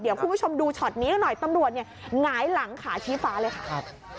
เดี๋ยวคุณผู้ชมดูช็อตนี้หน่อยตำรวจเนี่ยหงายหลังขาชี้ฟ้าเลยค่ะ